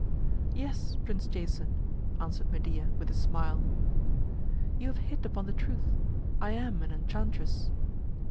"Yes, Prince Jason," answered Medea, with a smile, "you have hit upon the truth. I am an enchantress.